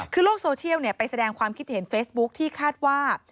คือโลกโซเชียลไปแสดงความคิดเห็นเฟซบุ๊คที่คาดว่า